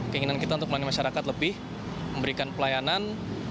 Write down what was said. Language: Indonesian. keinginan kita untuk melayani masyarakat lebih memberikan pelayanan